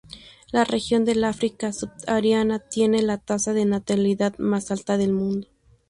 La región del África subsahariana tiene la tasa de natalidad más alta del mundo.